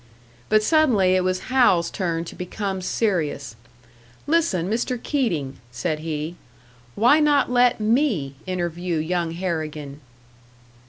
But suddenly it was Hal's turn to become serious. "Listen, Mr. Keating," said he, "why not let me interview young Harrigan?"